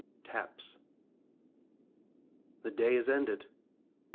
TAPS The day is ended!